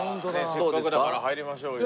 せっかくだから入りましょうよ。